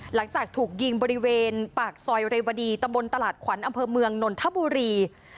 หลังจากถูกยิงบริเวณปากซอยเรวดีตำบลตลาดขวัญอำเภอเมืองนนทบุรี